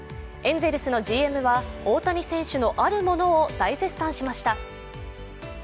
エンゼルスのＧＭは大谷選手のあるものを大絶賛しました。